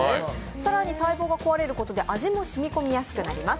更に細胞が壊れることで味も染み込みやすくなります。